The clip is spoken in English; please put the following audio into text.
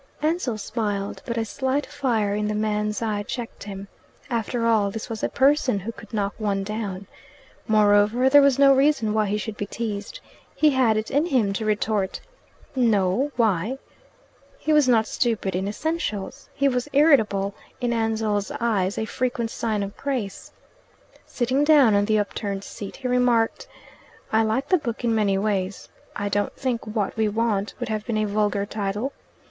Ansell smiled, but a slight fire in the man's eye checked him. After all, this was a person who could knock one down. Moreover, there was no reason why he should be teased. He had it in him to retort "No. Why?" He was not stupid in essentials. He was irritable in Ansell's eyes a frequent sign of grace. Sitting down on the upturned seat, he remarked, "I like the book in many ways. I don't think 'What We Want' would have been a vulgar title.